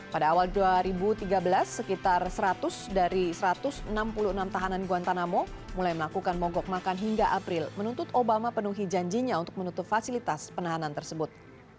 pada awal dua ribu tiga belas sekitar seratus dari satu ratus enam puluh enam tahanan guantanamo mulai melakukan mogok makan hingga april menuntut obama penuhi janjinya untuk menutup fasilitas penahanan tersebut